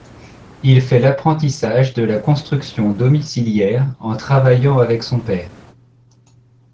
Il fait l’apprentissage de la construction domiciliaire en travaillant avec son père.